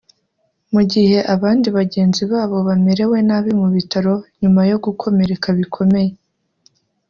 mu gihe abandi bagenzi babo bamerewe nabi mu bitaro nyuma yo gukomereka bikomeye